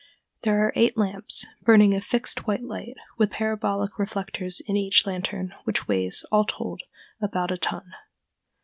There are eight lamps, burning a fixed white light, with parabolic reflectors in each lantern, which weighs, all told, about a ton.